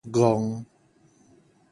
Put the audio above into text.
戇